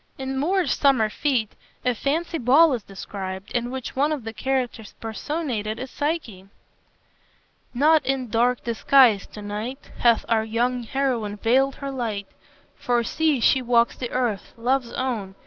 In Moore's "Summer Fete" a fancy ball is described, in which one of the characters personated is Psyche "... not in dark disguise to night Hath our young heroine veiled her light; For see, she walks the earth, Love's own.